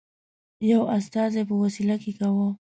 یوه استازي په وسیله یې کاوه.